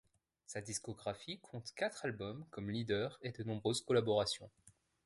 Sa discographie compte quatre albums comme leader et de nombreuses collaborations.